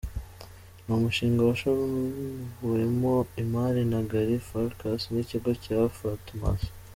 Ni umushinga washowemo imari na Gary Farkas n’ikigo cya Phantasm.